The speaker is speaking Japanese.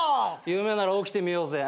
夢なら起きてみようぜ。